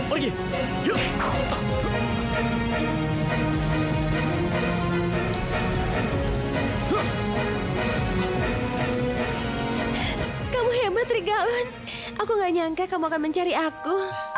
aku tidak sangka kamu akan mencari aku